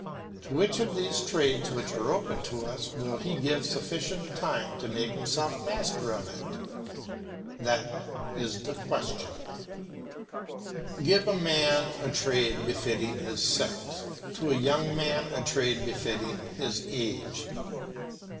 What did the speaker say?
To which of these trades which are open to us will he give sufficient time to make himself master of it? That is the whole question. Give a man a trade befitting his sex, to a young man a trade befitting his age.